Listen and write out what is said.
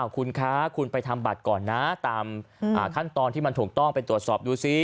คุณคะคุณไปทำบัตรก่อนนะตามขั้นตอนที่มันถูกต้องไปตรวจสอบดูซิ